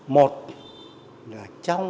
một là trong